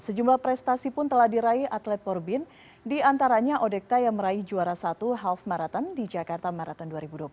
sejumlah prestasi pun telah diraih atlet porbin diantaranya odekta yang meraih juara satu half marathon di jakarta marathon dua ribu dua puluh dua